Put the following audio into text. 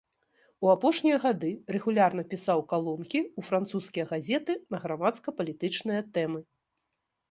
У апошнія гады рэгулярна пісаў калонкі ў французскія газеты на грамадска-палітычныя тэмы.